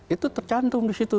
itu tercantum di situ